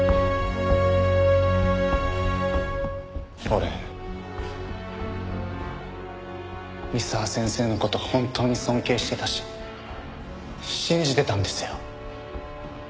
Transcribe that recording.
俺三沢先生の事本当に尊敬してたし信じてたんですよ。